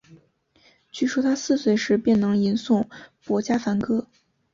据说他四岁时便能吟诵薄伽梵歌。